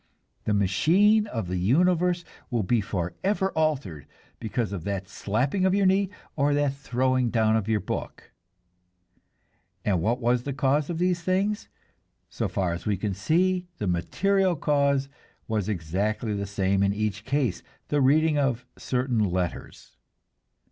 The machine of the universe will be forever altered because of that slapping of your knee or that throwing down of your book. And what was the cause of these things? So far as we can see, the material cause was exactly the same in each case the reading of certain letters.